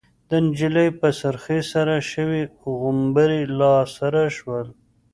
د نجلۍ په سرخۍ سره شوي غومبري لاسره شول.